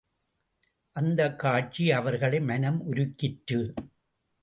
அந்தக் காட்சி அவர்களை மனம் உருக்கிற்று.